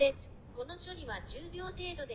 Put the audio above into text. この処理は１０秒程度で」。